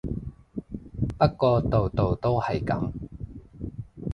不過度度都係噉